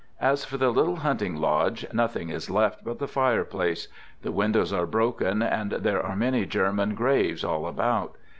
As for the little hunting lodge, nothing is left but the fireplace; the windows are broken, and there are many German graves all about.